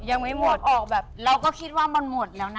ยังไม่หมดออกแบบเราก็คิดว่ามันหมดแล้วนะ